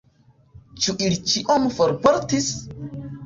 Ĉu ili ĉion forportis?